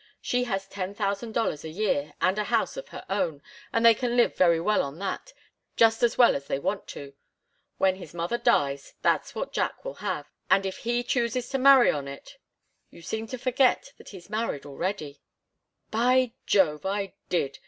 She has ten thousand dollars a year, and a house of her own, and they can live very well on that just as well as they want to. When his mother dies that's what Jack will have, and if he chooses to marry on it " "You seem to forget that he's married already " "By Jove! I did!